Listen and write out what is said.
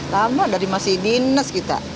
lama dari masih dinas kita